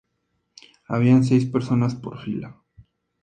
Habían seis personas por fila.